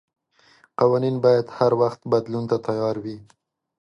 قوانين بايد هر وخت بدلون ته تيار وي.